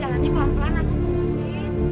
jalan ini pelan pelan aku tunggu